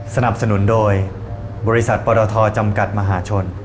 สนับสนุนโดยบริษัทปรทจำกัดมหาชน